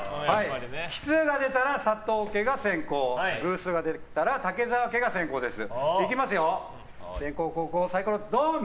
奇数が出たら佐藤家が先攻偶数が出たら武澤家が先攻です。